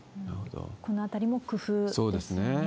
このあたりも工夫ですよね。